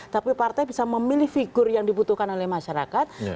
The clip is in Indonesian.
tapi partai bisa memilih figur yang dibutuhkan oleh masyarakat